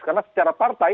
karena secara partai